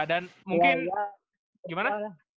ya dan mungkin gimana